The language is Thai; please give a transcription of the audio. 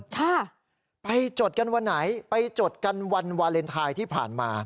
ค่ะไปจดกันวันไหนไปจดกันวันวาเลนไทยที่ผ่านมา